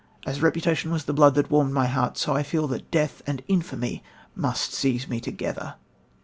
As reputation was the blood that warmed my heart, so I feel that death and infamy must seize me together."